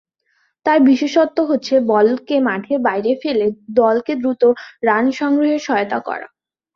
তার বিশেষত্ব হচ্ছে বলকে মাঠের বাইরে ফেলে দলকে দ্রুত রান সংগ্রহে সহায়তা করা।